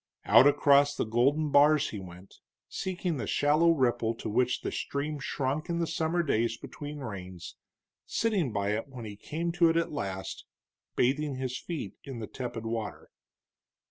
Out across the broad golden bars he went, seeking the shallow ripple to which the stream shrunk in the summer days between rains, sitting by it when he came to it at last, bathing his feet in the tepid water.